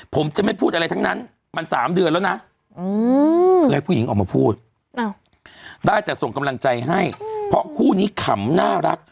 ขอบคุณใจให้เพราะคู่นี้ขำน่ารัก